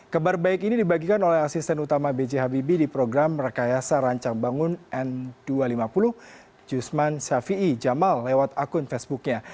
kabar baik ini dibagikan oleh asisten utama b j habibie di program rekayasa rancang bangun n dua ratus lima puluh jusman ⁇ shafii ⁇ jamal lewat akun facebooknya